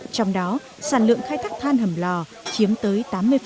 trong đó sản lượng khai thác than hầm lò chiếm tới tám mươi